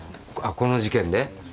この事件。